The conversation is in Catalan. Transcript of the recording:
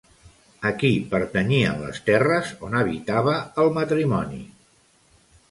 A qui pertanyien les terres on habitava el matrimoni?